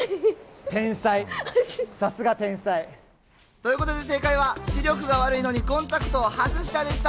ということで正解は視力が悪いのにコンタクトを外したでした！